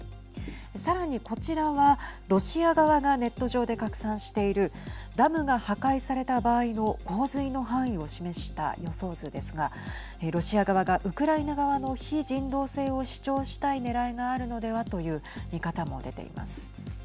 さらに、こちらはロシア側がネット上で拡散しているダムが破壊された場合の洪水の範囲を示した予想図ですがロシア側がウクライナ側の非人道性を主張したいねらいがあるのではという見方も出ています。